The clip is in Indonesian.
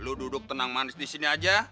lo duduk tenang manis di sini aja